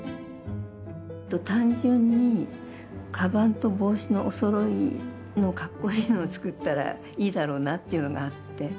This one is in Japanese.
単純にカバンと帽子のおそろいのカッコイイのを作ったらいいだろうなっていうのがあって。